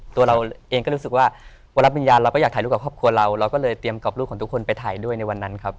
ตัวเราเองก็รู้สึกว่าเวลารับวิญญาณเราก็อยากถ่ายรูปกับครอบครัวเราเราก็เลยเตรียมกรอบรูปของทุกคนไปถ่ายด้วยในวันนั้นครับ